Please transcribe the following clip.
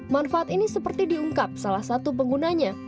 manfaat ini seperti diungkap salah satu penggunanya